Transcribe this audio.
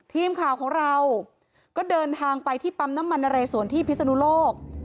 ทีมข่าวของเราก็เดินทางไปที่ปั๊มน้ำมันนเรสวนที่พิศนุโลก